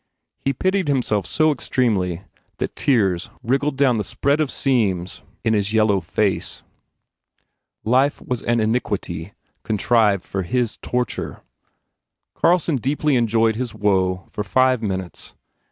He pitied himself so extremely that tears wriggled down the spread of seams in his yellow face. Life was an iniquity contrived for his tor ture. Carlson deeply enjoyed his woe for five minutes.